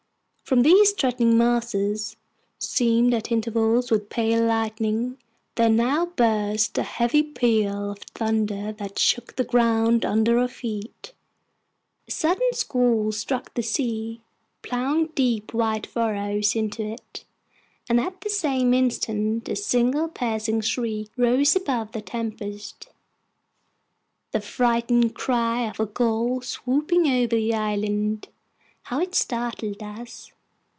From these threatening masses, seamed at intervals with pale lightning, there now burst a heavy peal of thunder that shook the ground under our feet. A sudden squall struck the sea, ploughing deep white furrows into it, and at the same instant a single piercing shriek rose above the tempest the frightened cry of a gull swooping over the island. How it startled us!